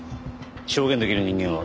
証言できる人間は？